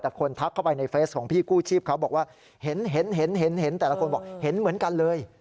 แต่คนทักเข้าไปในเฟสของพี่กู้ชีพเขาบอกว่าเห็นเห็นแต่ละคนบอกเห็นเหมือนกันเลย